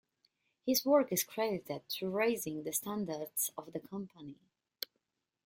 His work is credited to raising the standards of the company.